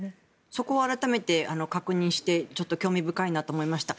そこは改めて確認して興味深いなと思いました。